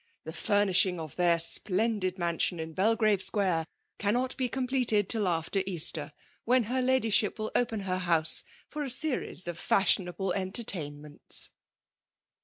The furnishing of their splendid mansion in Belgrave Square FBSALE DCmiKATIOK. 215 eamot be compleisd ti& after Easter, whes her Ladyship will open her house for a serieft 0f .fashionable entertainmentB."